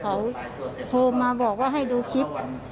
เขาโทรมาบอกว่าให้ดูคลิป